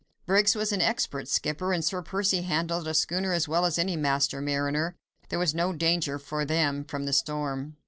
Briggs was an expert skipper, and Sir Percy handled a schooner as well as any master mariner. There was no danger for them from the storm.